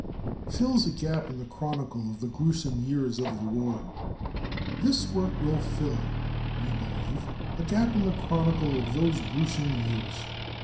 Fills "A Gap in the Chronicle of the Gruesome Years of the War." This work will fill, we believe, a gap in the chronicle of those gruesome years.